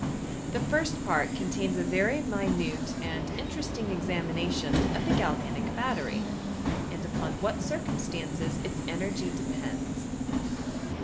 The first part contains a very minute and inte resting examination of the galvanic battery, and Wjpaa what circumstances its energy depends.